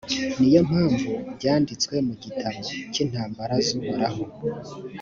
ni yo mpamvu byanditswe mu gitabo cy’intambara z’uhoraho.